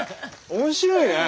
面白いね。